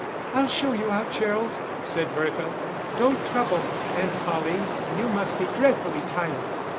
"I'll show you out, Gerald," said Bertha. "Don't trouble, Aunt Polly you must be dreadfully tired."